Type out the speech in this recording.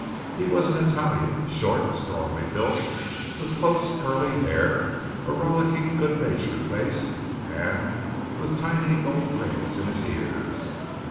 He was an Italian, short, strongly built, with close curly hair, a rollicking, good natured face, and with tiny gold rings in his ears.